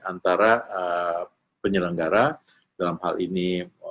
antara penyelenggara dalam hal ini